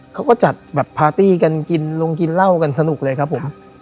เขาก็จัดแบบพาร์ตี้กันกินลงกินเหล้ากันสนุกเลยครับผม